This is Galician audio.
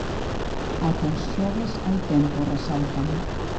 Ata o xoves hai tempo, resaltan.